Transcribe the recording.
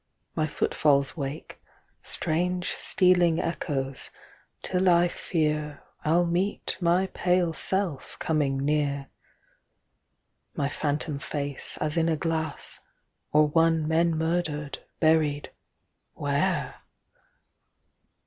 My footfalls wake Strange stealing echoes, till I fear I'll meet my pale self coming near; My phantom face as in a glass; Or one men murdered, buried where?